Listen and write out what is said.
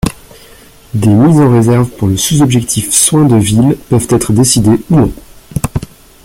Des mises en réserve pour le sous-objectif soins de ville peuvent être décidées ou non.